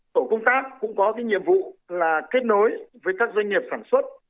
tổ công tác cũng có nhiệm vụ là kết nối với các doanh nghiệp sản xuất